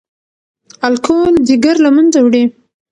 الکول ځیګر له منځه وړي.